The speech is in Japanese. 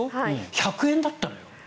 １００円だったのよ。